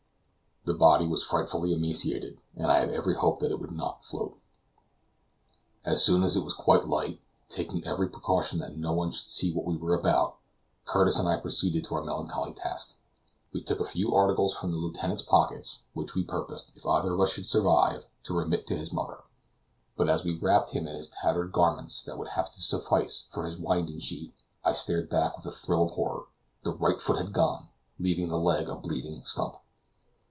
The body was frightfully emaciated, and I had every hope that it would not float. As soon as it was quite light, taking every precaution that no one should see what we were about, Curtis and I proceeded to our melancholy task. We took a few articles from the lieutenant's pockets, which we purposed, if either of us should survive, to remit to his mother. But as we wrapped him in his tattered garments that would have to suffice for his winding sheet, I started back with a thrill of horror. The right foot had gone, leaving the leg a bleeding stump.